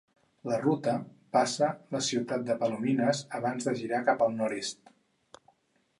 La ruta passa la ciutat de Palominas abans de girar cap al nord-est.